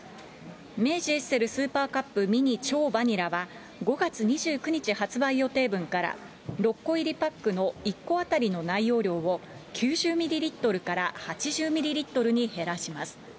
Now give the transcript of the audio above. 明治エッセルスーパーカップミニ超バニラは、５月２９日発売予定分から、６個入りパックの１個当たりの内容量を９０ミリリットルから８０ミリリットルに減らします。